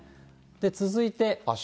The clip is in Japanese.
続いて。